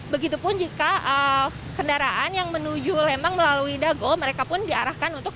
begitupun jika kendaraan yang menuju lembang melalui dago mereka pun diarahkan untuk